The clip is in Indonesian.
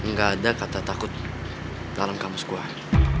nggak ada kata takut dalam kamus kuat